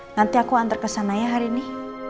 nanti aku antar kesana ya hari ini